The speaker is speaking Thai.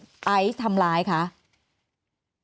แอนตาซินเยลโรคกระเพาะอาหารท้องอืดจุกเสียดแสบร้อน